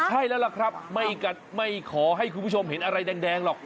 ใช่แล้วล่ะครับไม่ขอให้คุณผู้ชมเห็นอะไรแดงหรอก